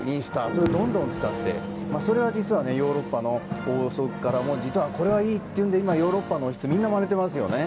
、それをどんどん使ってそれが実はヨーロッパの王族からもこれはいいというので今、ヨーロッパの王室はみんなまねていますよね。